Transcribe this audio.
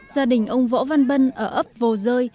gia đình ông võ văn bân ở ấp vồ rơi